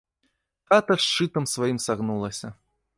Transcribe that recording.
Хата шчытам сваім сагнулася.